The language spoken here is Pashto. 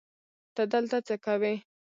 ته دلته څه کوی